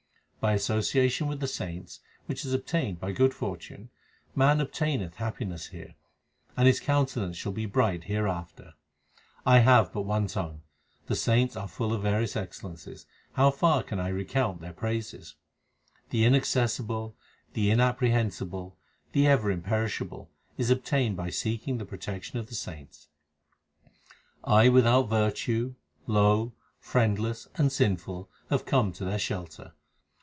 By association with the saints, which is obtained by good fortune, man obtaineth happiness here, and his countenance shall be bright hereafter. 1 That is, he finds no fault in others. HYMNS OF GURU ARJAN 353 I have but one tongue ; the saints are full of various excellences ; how far can I recount their praises ? The Inaccessible, the Inapprehensible, the ever Imperish able, is obtained by seeking the protection of the saints. I without virtue, low, friendless, and sinful have come to their shelter.